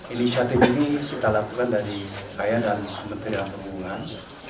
inisiatif ini kita lakukan dari saya dan menteri hantar hubungan